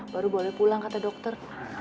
baru boleh pulang kata dokter